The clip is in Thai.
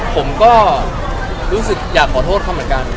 ผมก็รู้สึกอยากขอโทษเขาเหมือนกัน